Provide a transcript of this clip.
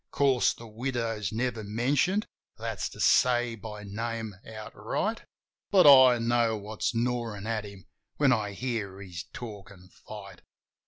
Course, the widow's never mentioned — that's to say, by name, outright ; But I know what's gnawin' at him when I hear he's talkin' fight.